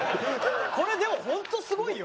これでも本当すごいよ。